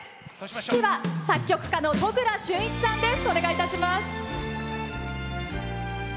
指揮は作曲家の都倉俊一さんです。